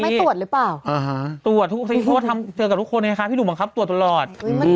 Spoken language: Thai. ไม่ตรวจหรือเปล่าตรวจทุกสิ่งที่เจอกับทุกคนไงคะพี่หนุ่มบังคับตรวจตลอด